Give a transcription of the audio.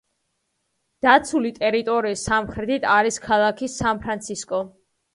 დაცული ტერიტორიის სამხრეთით არის ქალაქი სან-ფრანცისკო.